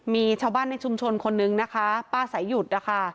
มีชาวบ้านในชุมชนคนนึงนะคะป้าสายหยุดนะคะ